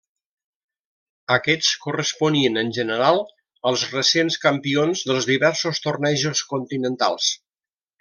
Aquests corresponien, en general, als recents campions dels diversos tornejos continentals.